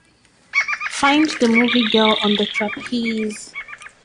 Find the movie Girl on the Trapeze